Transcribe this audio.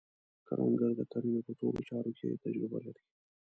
کروندګر د کرنې په ټولو چارو کې تجربه لري